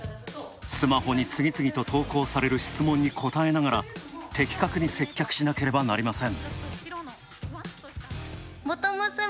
スマホに次々と投稿される質問に答えながら、的確に接客しなければなりません。